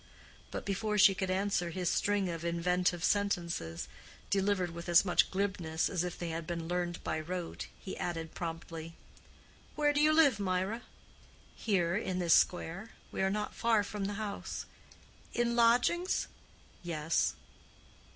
But before she could answer his string of inventive sentences, delivered with as much glibness as if they had been learned by rote, he added promptly, "Where do you live, Mirah?" "Here, in this square. We are not far from the house." "In lodgings?" "Yes."